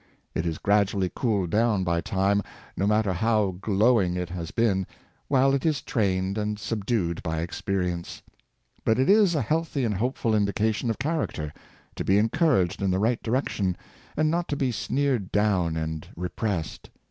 It is gradually cooled down by Time, no matter how glowing it has been, while it is trained and subdued by experience. But it is a healthy and hopeful indication of character — to be encouraged in a right direction, and not to be sneered down and repressed.